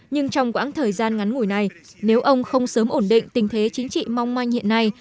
nhưng trong quãng thời gian ngắn ngủi này nếu ông không sớm ổn định tình thế chính trị mong manh hiện nay